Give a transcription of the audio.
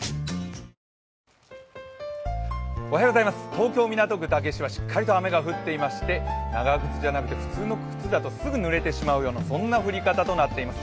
東京・港区竹芝、しっかり雨が降っていまして、長靴じゃなくて普通の靴だとすぐぬれてしまうような降り方となっています。